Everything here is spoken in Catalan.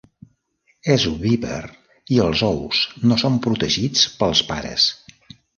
És ovípar i els ous no són protegits pels pares.